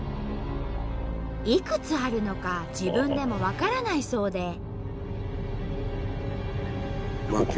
いくつあるのか自分でも分からないそうで。